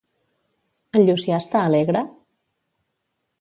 En Llucià està alegre?